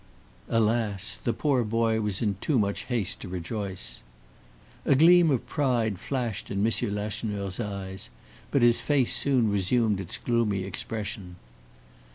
Alas! the poor boy was in too much haste to rejoice. A gleam of pride flashed in M. Lacheneur's eyes; but his face soon resumed its gloomy expression.